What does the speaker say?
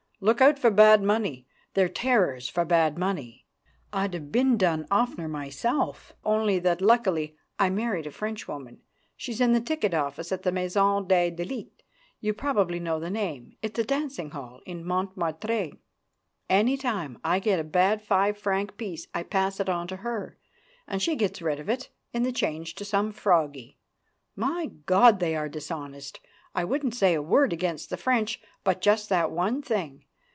Look out for bad money. They're terrors for bad money. I'd have been done oftener myself, only that luckily I married a Frenchwoman. She's in the ticket office at the Maison des Delits you probably know the name it's a dancing hall in Montmartre. Any time I get a bad 5 franc piece, I pass it on to her, and she gets rid of it in the change to some Froggie. My God, they are dishonest! I wouldn't say a word against the French, but just that one thing.